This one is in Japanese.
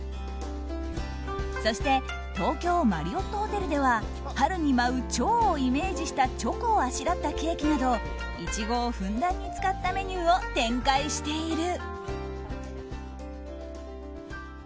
そして東京マリオットホテルでは春に舞うチョウをイメージしたチョコをあしらったケーキなどイチゴをふんだんに使ったメニューを展開している。